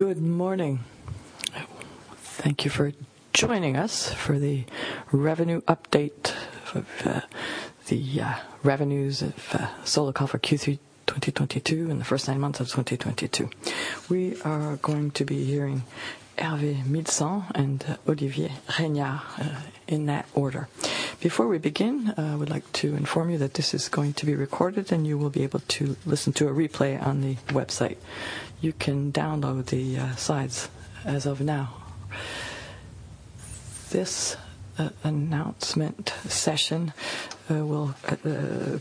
Good morning. Thank you for joining us for the revenue update of the revenues of Solocal for Q3 2022 and the first nine months of 2022. We are going to be hearing Hervé Milcent and Olivier Regnard, in that order. Before we begin, I would like to inform you that this is going to be recorded, and you will be able to listen to a replay on the website. You can download the slides as of now. This announcement session will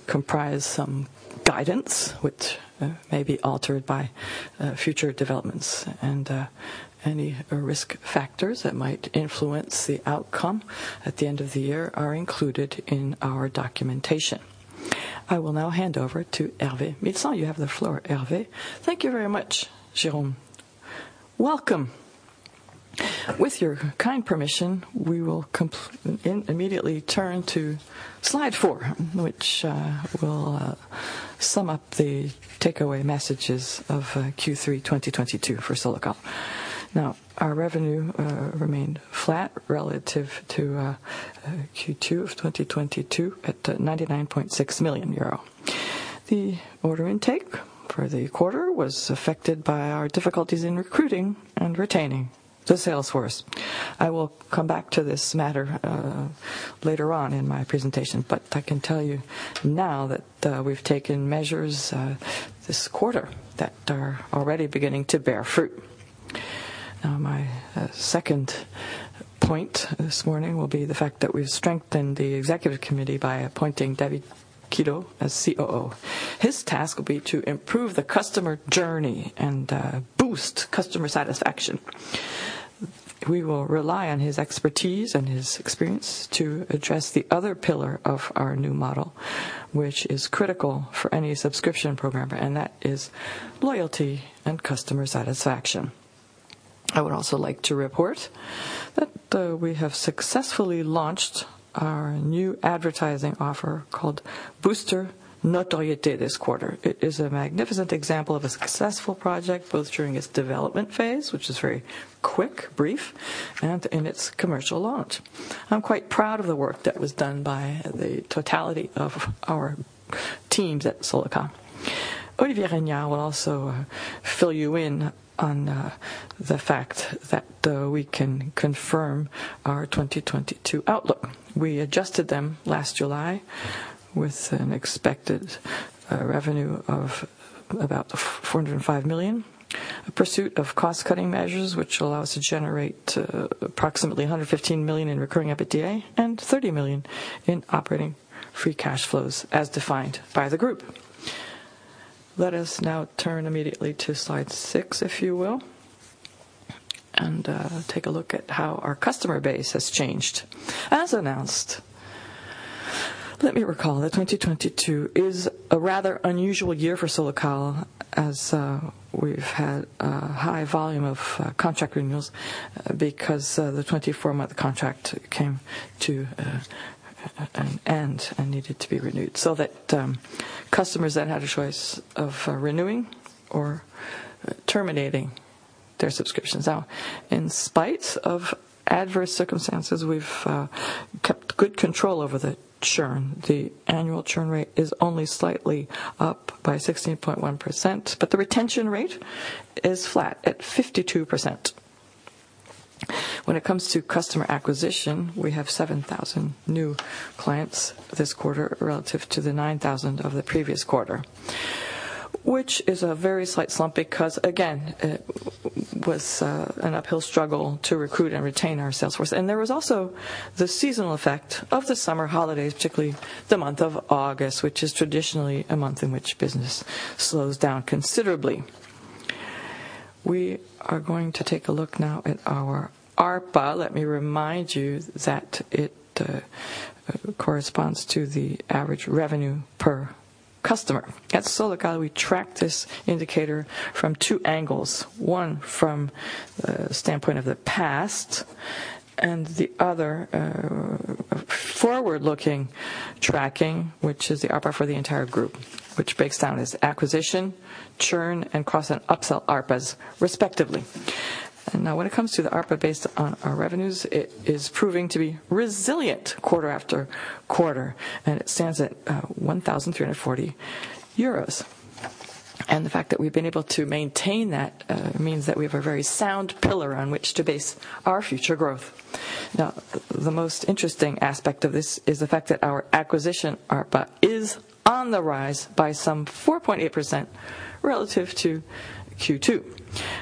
comprise some guidance which may be altered by future developments, and any risk factors that might influence the outcome at the end of the year are included in our documentation. I will now hand over to Hervé Milcent. You have the floor, Hervé. Thank you very much, Jérôme. Welcome. With your kind permission, we will immediately turn to slide 4, which will sum up the takeaway messages of Q3 2022 for Solocal. Now, our revenue remained flat relative to Q2 of 2022 at 99.6 million euro. The order intake for the quarter was affected by our difficulties in recruiting and retaining the sales force. I will come back to this matter later on in my presentation, but I can tell you now that we've taken measures this quarter that are already beginning to bear fruit. Now, my second point this morning will be the fact that we've strengthened the executive committee by appointing David Giraud as COO. His task will be to improve the customer journey and boost customer satisfaction. We will rely on his expertise and his experience to address the other pillar of our new model, which is critical for any subscription program, and that is loyalty and customer satisfaction. I would also like to report that we have successfully launched our new advertising offer called Booster Notoriété this quarter. It is a magnificent example of a successful project, both during its development phase, which is very quick, brief, and in its commercial launch. I'm quite proud of the work that was done by the totality of our teams at Solocal. Olivier Regn will also fill you in on the fact that we can confirm our 2022 outlook. We adjusted them last July with an expected revenue of about 405 million, a pursuit of cost-cutting measures which allow us to generate approximately 115 million in recurring EBITDA and 30 million in operating free cash flows as defined by the group. Let us now turn immediately to slide 6, if you will, and take a look at how our customer base has changed. As announced, let me recall that 2022 is a rather unusual year for Solocal as we've had a high volume of contract renewals because the 24-month contract came to an end and needed to be renewed, so that customers then had a choice of renewing or terminating their subscriptions. Now, in spite of adverse circumstances, we've kept good control over the churn. The annual churn rate is only slightly up by 16.1%, but the retention rate is flat at 52%. When it comes to customer acquisition, we have 7,000 new clients this quarter relative to the 9,000 of the previous quarter. Which is a very slight slump because, again, it was an uphill struggle to recruit and retain our sales force. There was also the seasonal effect of the summer holidays, particularly the month of August, which is traditionally a month in which business slows down considerably. We are going to take a look now at our ARPA. Let me remind you that it corresponds to the average revenue per customer. At Solocal, we track this indicator from two angles, one from the standpoint of the past and the other, forward-looking tracking, which is the ARPA for the entire group, which breaks down as acquisition, churn, and cross and upsell ARPAs, respectively. Now, when it comes to the ARPA based on our revenues, it is proving to be resilient quarter after quarter, and it stands at 1,340 euros. The fact that we've been able to maintain that means that we have a very sound pillar on which to base our future growth. Now, the most interesting aspect of this is the fact that our acquisition ARPA is on the rise by some 4.8% relative to Q2,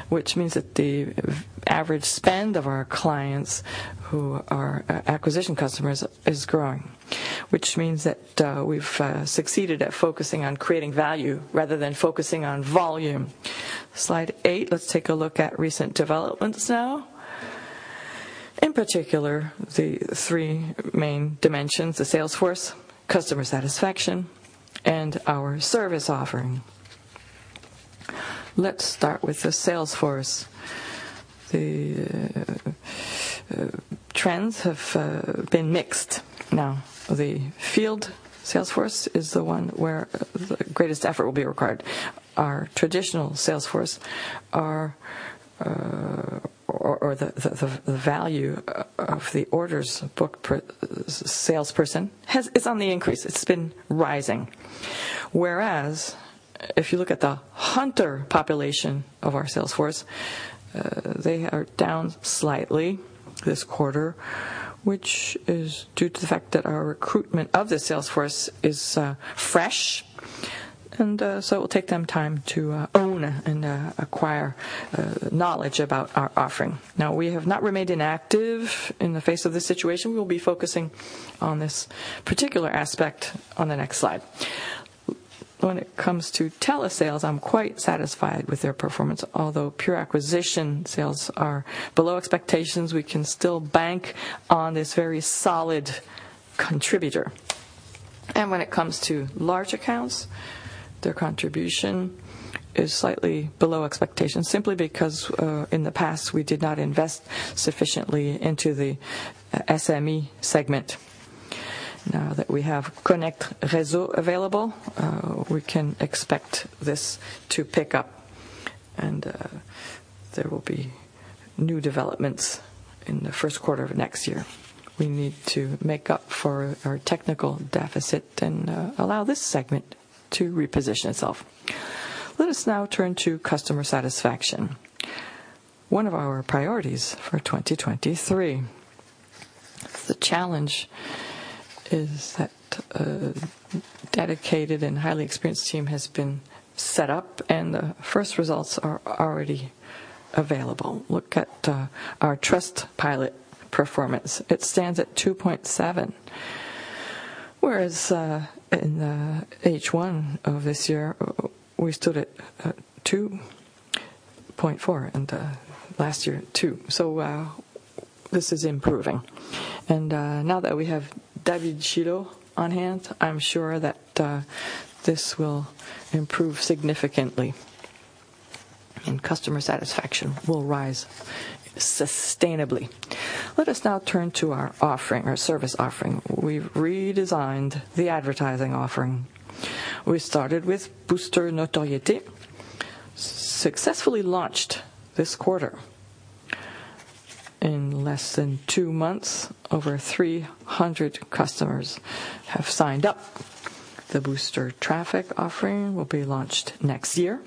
which means that the average spend of our clients who are acquisition customers is growing. Which means that we've succeeded at focusing on creating value rather than focusing on volume. Slide 8, let's take a look at recent developments now. In particular, the 3 main dimensions, the sales force, customer satisfaction, and our service offering. Let's start with the sales force. The trends have been mixed now. The field sales force is the one where the greatest effort will be required. Our traditional sales force are or the value of the order book per salesperson is on the increase. It's been rising. Whereas if you look at the hunter population of our sales force, they are down slightly this quarter, which is due to the fact that our recruitment of the sales force is fresh, and so it'll take them time to own and acquire knowledge about our offering. Now, we have not remained inactive in the face of this situation. We'll be focusing on this particular aspect on the next slide. When it comes to telesales, I'm quite satisfied with their performance. Although pure acquisition sales are below expectations, we can still bank on this very solid contributor. When it comes to large accounts, their contribution is slightly below expectations simply because, in the past, we did not invest sufficiently into the, SME segment. Now that we have Connect Réseaux available, we can expect this to pick up, and, there will be new developments in the first quarter of next year. We need to make up for our technical deficit and, allow this segment to reposition itself. Let us now turn to customer satisfaction, one of our priorities for 2023. The challenge is that a dedicated and highly experienced team has been set up, and the first results are already available. Look at our Trustpilot performance. It stands at 2.7, whereas in the H1 of this year, we stood at 2.4, and last year at 2. This is improving. Now that we have David Giraud on hand, I'm sure that this will improve significantly, and customer satisfaction will rise sustainably. Let us now turn to our offering, our service offering. We've redesigned the advertising offering. We started with Booster Notoriété, successfully launched this quarter. In less than two months, over 300 customers have signed up. The Booster Traffic offering will be launched next year,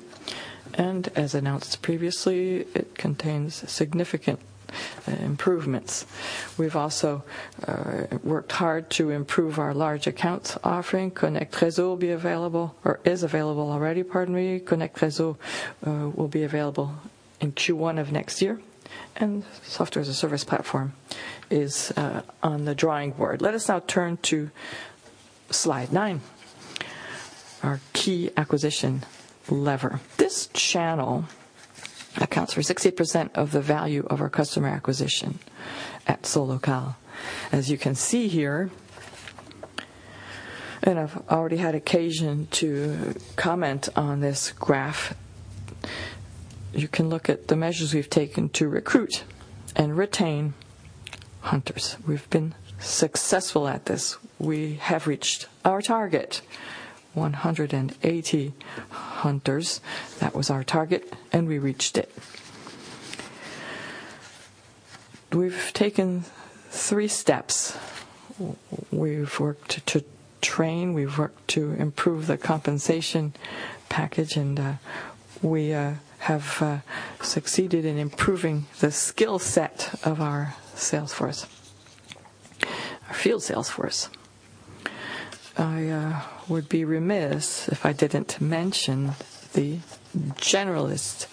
and as announced previously, it contains significant improvements. We've also worked hard to improve our large accounts offering. Connect Réseaux will be available or is available already, pardon me. Connect Réseaux will be available in Q1 of next year, and software as a service platform is on the drawing board. Let us now turn to slide 9, our key acquisition lever. This channel accounts for 60% of the value of our customer acquisition at Solocal. As you can see here, and I've already had occasion to comment on this graph, you can look at the measures we've taken to recruit and retain hunters. We've been successful at this. We have reached our target, 180 hunters. That was our target, and we reached it. We've taken three steps. We've worked to train, we've worked to improve the compensation package, and we have succeeded in improving the skill set of our sales force, our field sales force. I would be remiss if I didn't mention the generalist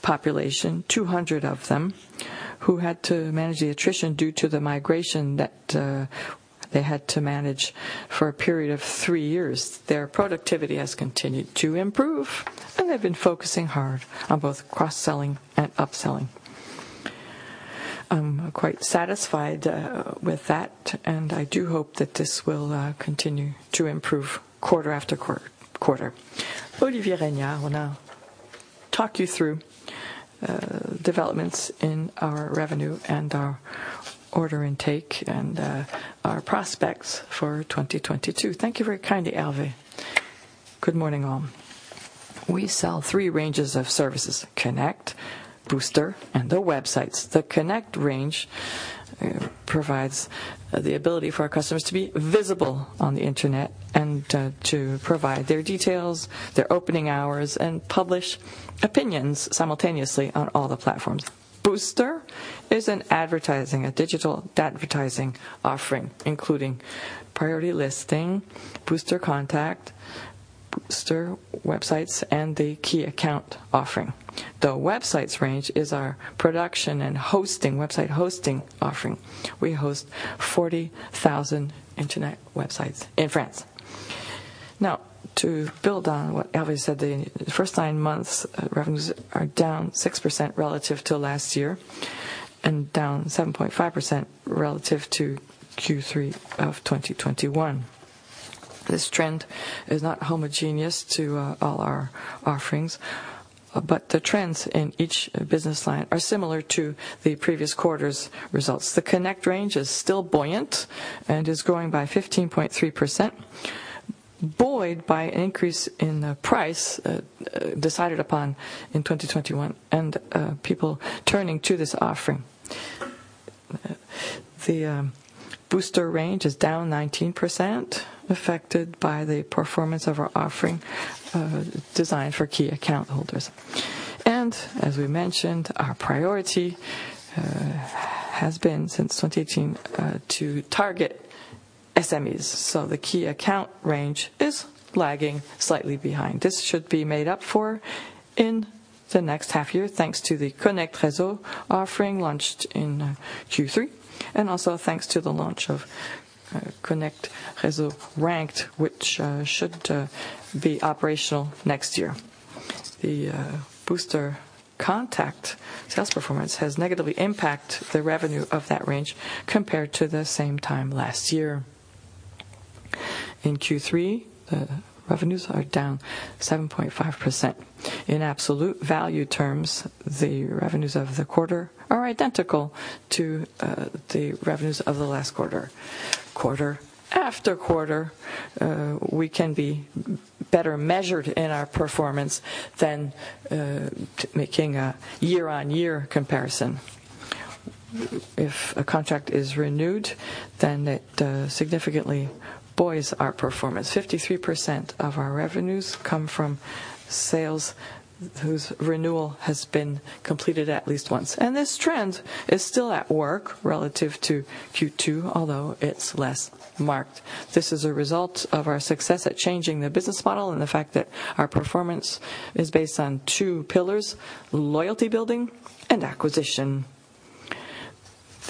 population, 200 of them, who had to manage the attrition due to the migration that they had to manage for a period of 3 years. Their productivity has continued to improve, and they've been focusing hard on both cross-selling and upselling. I'm quite satisfied with that, and I do hope that this will continue to improve quarter after quarter. Olivier Regnard will now talk you through developments in our revenue and our order intake and our prospects for 2022. Thank you very kindly, Hervé. Good morning, all. We sell three ranges of services, Connect, Booster, and the Websites. The Connect range provides the ability for our customers to be visible on the Internet and to provide their details, their opening hours, and publish opinions simultaneously on all the platforms. Booster is a digital advertising offering, including priority listing, Booster Contact, Booster Site, and the key account offering. The Websites range is our production and hosting, website hosting offering. We host 40,000 internet websites in France. Now, to build on what Hervé said, the first nine months revenues are down 6% relative to last year and down 7.5% relative to Q3 of 2021. This trend is not homogeneous to all our offerings, but the trends in each business line are similar to the previous quarter's results. The Connect range is still buoyant and is growing by 15.3%, buoyed by an increase in the price decided upon in 2021 and people turning to this offering. The Booster range is down 19%, affected by the performance of our offering designed for key account holders. As we mentioned, our priority has been since 2018 to target SMEs. The key account range is lagging slightly behind. This should be made up for in the next half year, thanks to the Connect Réseaux offering launched in Q3, and also thanks to the launch of Connect Réseaux Ranked, which should be operational next year. The Booster Contact sales performance has negatively impact the revenue of that range compared to the same time last year. In Q3, the revenues are down 7.5%. In absolute value terms, the revenues of the quarter are identical to the revenues of the last quarter. Quarter after quarter, we can be better measured in our performance than making a year-on-year comparison. If a contract is renewed, then it significantly buoys our performance. 53% of our revenues come from sales whose renewal has been completed at least once, and this trend is still at work relative to Q2, although it's less marked. This is a result of our success at changing the business model and the fact that our performance is based on two pillars: loyalty building and acquisition.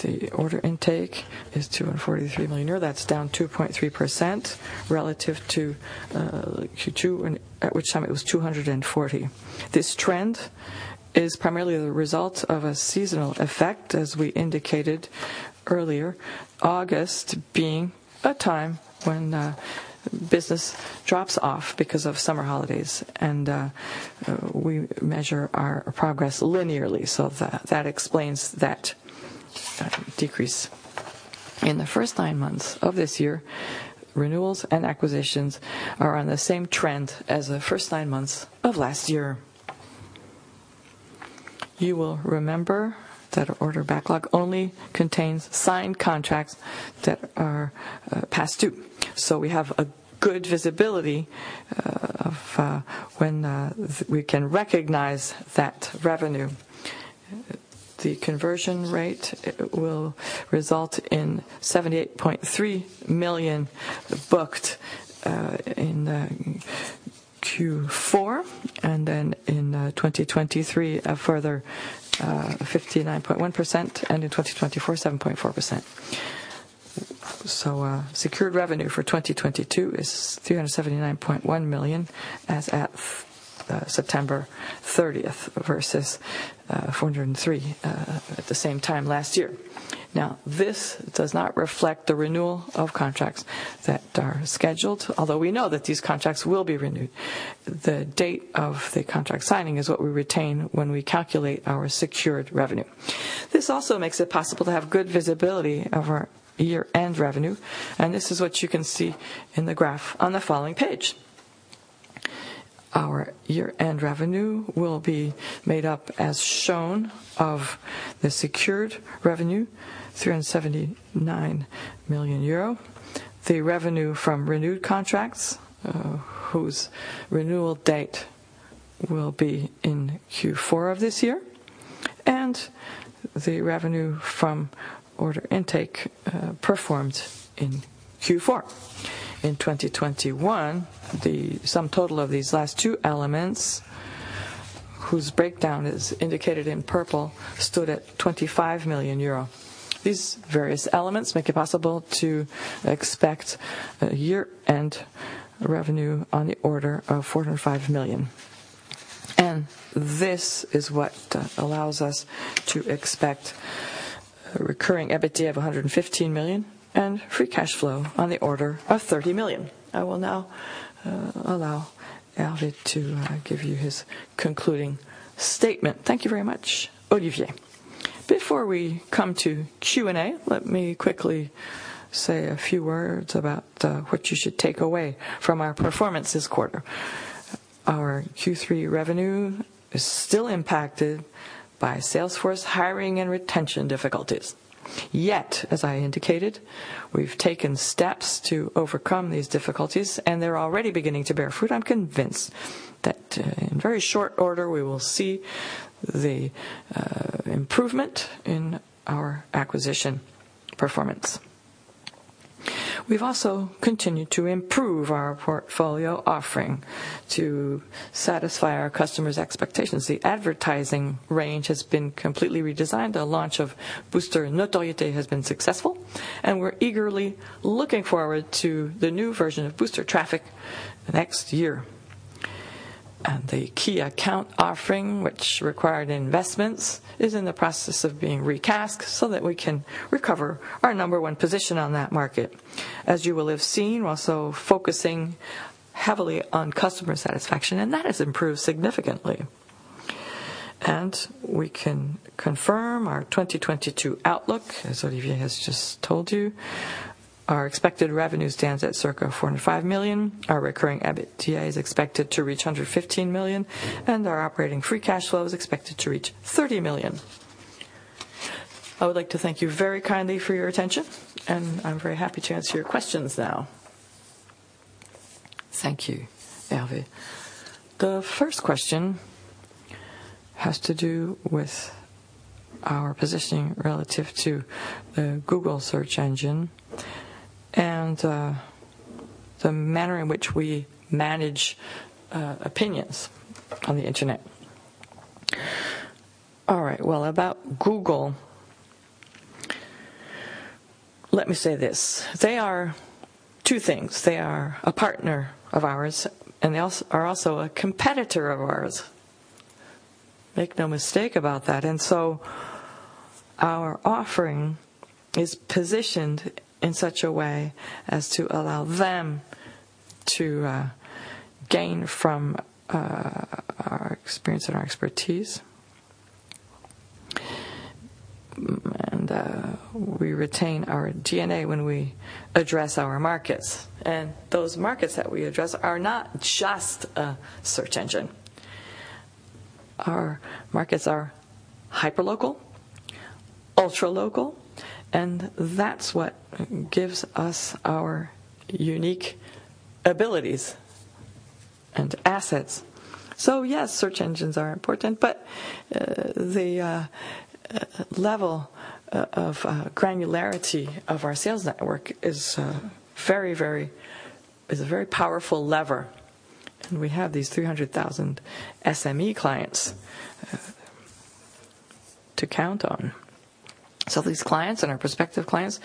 The order intake is 243 million euro. That's down 2.3% relative to Q2, at which time it was 240 million. This trend is primarily the result of a seasonal effect, as we indicated earlier, August being a time when business drops off because of summer holidays and we measure our progress linearly. That explains that decrease. In the first nine months of this year, renewals and acquisitions are on the same trend as the first nine months of last year. You will remember that order backlog only contains signed contracts that are past due, so we have a good visibility of when we can recognize that revenue. The conversion rate will result in 78.3 million booked in Q4, and then in 2023, a further 59.1%, and in 2024, 7.4%. Secured revenue for 2022 is 379.1 million as of September 30 versus 403 million at the same time last year. Now, this does not reflect the renewal of contracts that are scheduled, although we know that these contracts will be renewed. The date of the contract signing is what we retain when we calculate our secured revenue. This also makes it possible to have good visibility of our year-end revenue, and this is what you can see in the graph on the following page. Our year-end revenue will be made up as shown of the secured revenue, 379 million euro, the revenue from renewed contracts, whose renewal date will be in Q4 of this year, and the revenue from order intake, performed in Q4. In 2021, the sum total of these last two elements, whose breakdown is indicated in purple, stood at 25 million euro. These various elements make it possible to expect a year-end revenue on the order of 405 million. This is what allows us to expect a recurring EBITDA of 115 million and free cash flow on the order of 30 million. I will now allow Hervé to give you his concluding statement. Thank you very much, Olivier. Before we come to Q&A, let me quickly say a few words about what you should take away from our performance this quarter. Our Q3 revenue is still impacted by sales force hiring and retention difficulties. Yet, as I indicated, we've taken steps to overcome these difficulties, and they're already beginning to bear fruit. I'm convinced that in very short order, we will see the improvement in our acquisition performance. We've also continued to improve our portfolio offering to satisfy our customers' expectations. The advertising range has been completely redesigned. The launch of Booster Notoriété has been successful, and we're eagerly looking forward to the new version of Booster Traffic next year. The key account offering, which required investments, is in the process of being recast so that we can recover our number one position on that market. As you will have seen, we're also focusing heavily on customer satisfaction, and that has improved significantly. We can confirm our 2022 outlook, as Olivier has just told you. Our expected revenue stands at circa 405 million. Our recurring EBITDA is expected to reach 115 million, and our operating free cash flow is expected to reach 30 million. I would like to thank you very kindly for your attention, and I'm very happy to answer your questions now. Thank you, Hervé. The first question has to do with our positioning relative to the Google search engine and the manner in which we manage opinions on the Internet. All right. Well, about Google, let me say this: they are two things. They are a partner of ours, and they are also a competitor of ours. Make no mistake about that. Our offering is positioned in such a way as to allow them to gain from our experience and our expertise. We retain our DNA when we address our markets. Those markets that we address are not just a search engine. Our markets are hyperlocal, ultralocal, and that's what gives us our unique abilities and assets. Yes, search engines are important, but the level of granularity of our sales network is very, very. is a very powerful lever. We have these 300,000 SME clients to count on. These clients and our prospective clients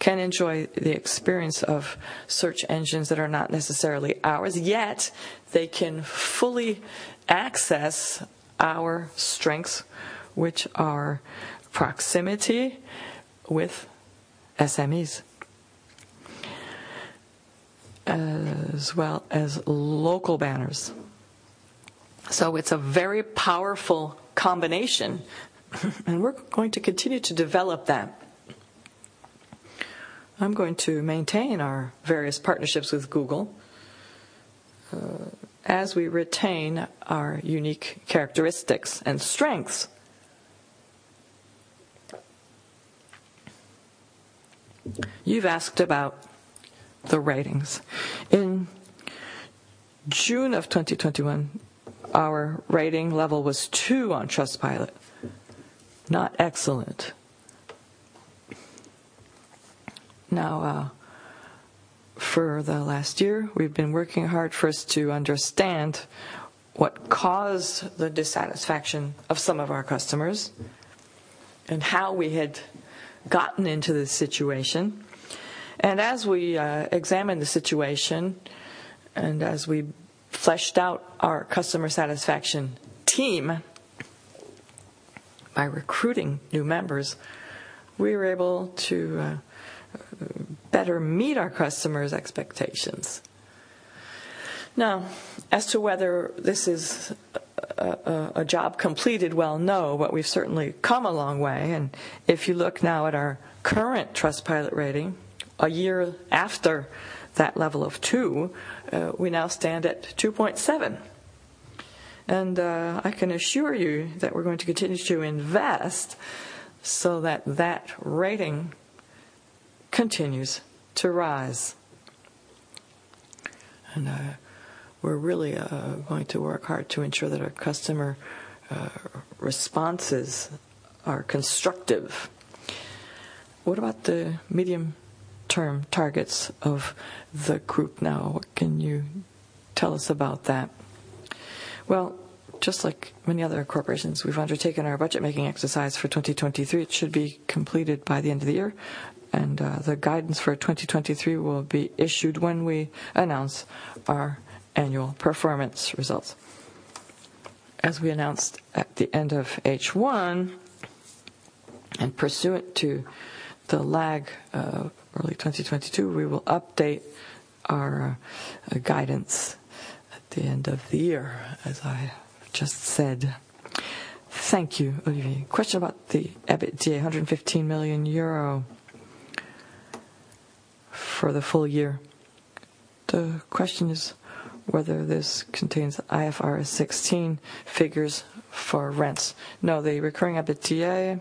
can enjoy the experience of search engines that are not necessarily ours, yet they can fully access our strengths, which are proximity with SMEs as well as local banners. It's a very powerful combination, and we're going to continue to develop that. I'm going to maintain our various partnerships with Google as we retain our unique characteristics and strengths. You've asked about the ratings. In June of 2021, our rating level was 2 on Trustpilot, not excellent. Now, for the last year, we've been working hard for us to understand what caused the dissatisfaction of some of our customers and how we had gotten into this situation. As we examined the situation, and as we fleshed out our customer satisfaction team by recruiting new members, we were able to better meet our customers' expectations. Now, as to whether this is a job completed, well, no, but we've certainly come a long way. If you look now at our current Trustpilot rating, a year after that level of 2, we now stand at 2.7. I can assure you that we're going to continue to invest so that that rating continues to rise. We're really going to work hard to ensure that our customer responses are constructive. What about the medium-term targets of the group now? What can you tell us about that? Well, just like many other corporations, we've undertaken our budget-making exercise for 2023. It should be completed by the end of the year. The guidance for 2023 will be issued when we announce our annual performance results. As we announced at the end of H1 and pursuant to the plan of early 2022, we will update our guidance at the end of the year, as I just said. Thank you, Olivier. Question about the EBITDA, 115 million euro for the full year. The question is whether this contains IFRS 16 figures for rents. No, the recurring EBITDA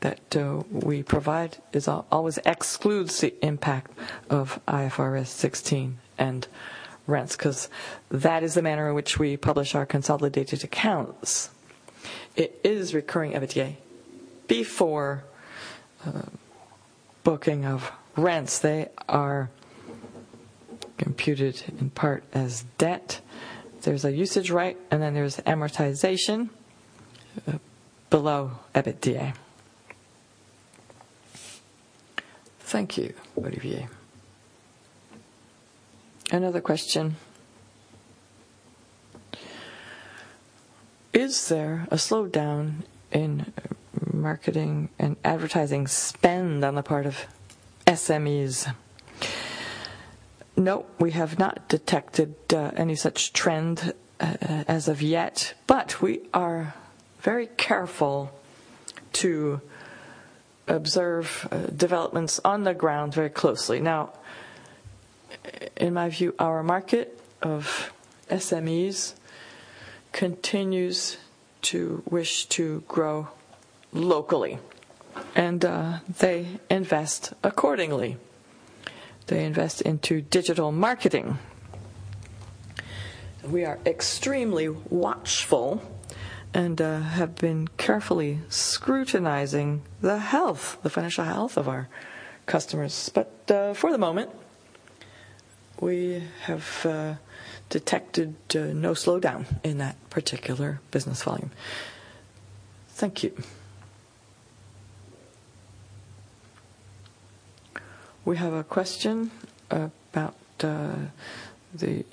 that we provide is always excludes the impact of IFRS 16 and rents 'cause that is the manner in which we publish our consolidated accounts. It is recurring EBITDA before booking of rents. They are computed in part as debt. There's a right of use, and then there's amortization below EBITDA. Thank you, Olivier. Another question. Is there a slowdown in marketing and advertising spend on the part of SMEs? No, we have not detected any such trend as of yet, but we are very careful to observe developments on the ground very closely. Now, in my view, our market of SMEs continues to wish to grow locally and they invest accordingly. They invest into digital marketing. We are extremely watchful and have been carefully scrutinizing the health, the financial health of our customers. For the moment, we have detected no slowdown in that particular business volume. Thank you. We have a question about the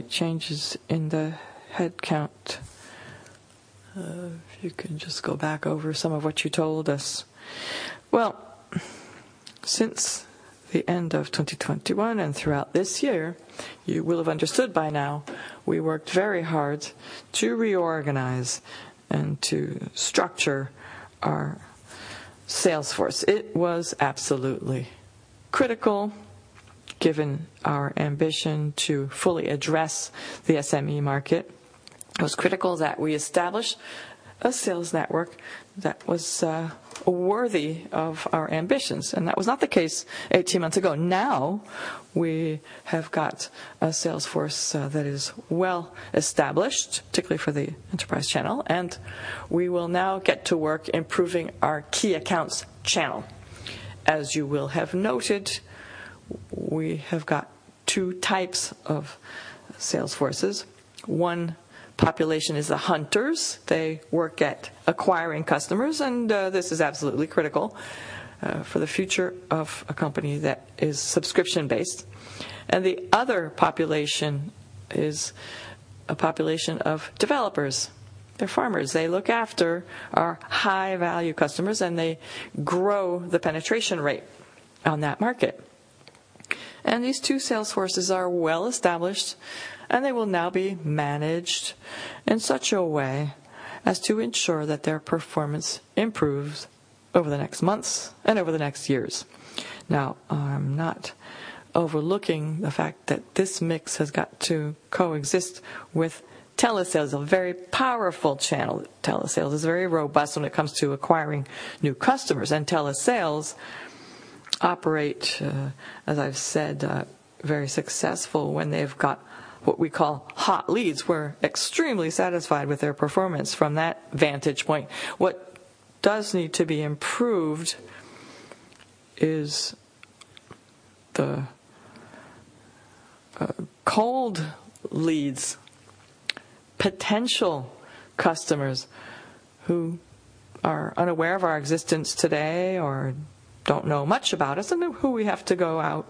changes in the headcount. If you can just go back over some of what you told us. Well, since the end of 2021 and throughout this year, you will have understood by now we worked very hard to reorganize and to structure our sales force. It was absolutely critical, given our ambition to fully address the SME market. It was critical that we establish a sales network that was worthy of our ambitions, and that was not the case 18 months ago. Now, we have got a sales force that is well-established, particularly for the enterprise channel, and we will now get to work improving our key accounts channel. As you will have noted, we have got two types of sales forces. One population is the hunters. They work at acquiring customers, and this is absolutely critical for the future of a company that is subscription-based. The other population is a population of developers. They're farmers. They look after our high-value customers, and they grow the penetration rate on that market. These two sales forces are well-established, and they will now be managed in such a way as to ensure that their performance improves over the next months and over the next years. Now, I'm not overlooking the fact that this mix has got to coexist with telesales, a very powerful channel. Telesales is very robust when it comes to acquiring new customers. Telesales operate, as I've said, very successful when they've got what we call hot leads. We're extremely satisfied with their performance from that vantage point. What does need to be improved is the cold leads, potential customers who are unaware of our existence today or don't know much about us and who we have to go out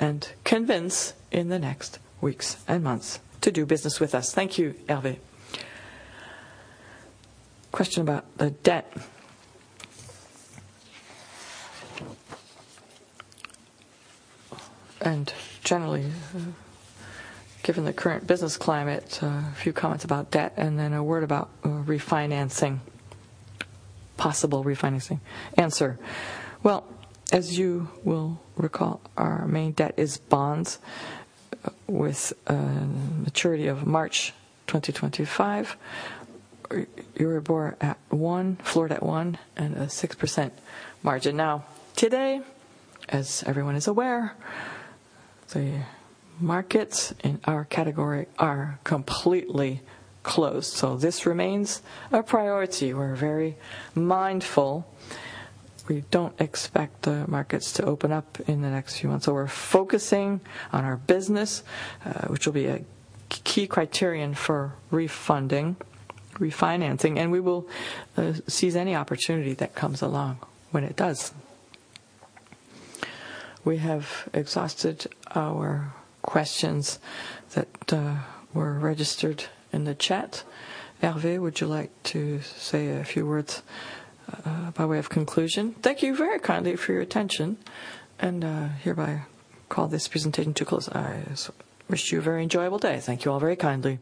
and convince in the next weeks and months to do business with us. Thank you, Hervé. Question about the debt. Generally, given the current business climate, a few comments about debt and then a word about refinancing, possible refinancing. Answer. Well, as you will recall, our main debt is bonds with a maturity of March 2025. Euribor at 1, floored at 1, and a 6% margin. Now, today, as everyone is aware, the markets in our category are completely closed, so this remains a priority. We're very mindful. We don't expect the markets to open up in the next few months, so we're focusing on our business, which will be a key criterion for refunding, refinancing, and we will seize any opportunity that comes along when it does. We have exhausted our questions that were registered in the chat. Hervé, would you like to say a few words by way of conclusion? Thank you very kindly for your attention and hereby call this presentation to close. I wish you a very enjoyable day. Thank you all very kindly.